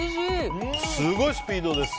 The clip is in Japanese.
すごいスピードです！